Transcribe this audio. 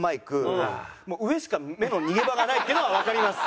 もう上しか目の逃げ場がないっていうのはわかります。